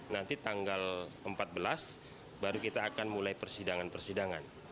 nanti tanggal empat belas baru kita akan mulai persidangan persidangan